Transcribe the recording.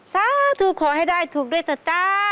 ซ้าถูกขอให้ได้ถูกด้วยสัตว์จ้า